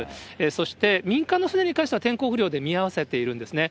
そして民間の船に関しては天候不良で見合わせているんですね。